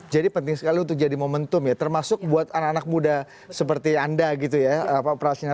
jadi penting sekali untuk jadi momentum ya termasuk buat anak anak muda seperti anda gitu ya pak prachna